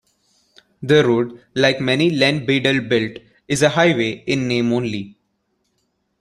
The road, like many Len Beadell built, is a "highway" in name only.